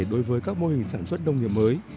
đối với các mô hình sản xuất nông nghiệp mới